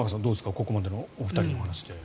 ここまでのお二人の話で。